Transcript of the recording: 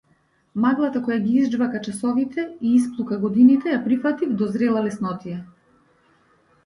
Маглата која ги изџвака часовите и исплука годините ја прифатив до зрела леснотија.